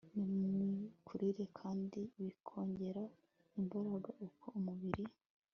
nimikurire kandi bikongera imbaraga uko umubiri